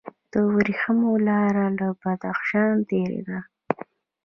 د ورېښمو لاره له بدخشان تیریده